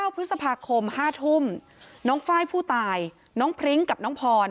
พฤษภาคม๕ทุ่มน้องไฟล์ผู้ตายน้องพริ้งกับน้องพร